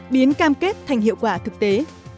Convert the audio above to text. biến cam kết thành hiệu quả thực tế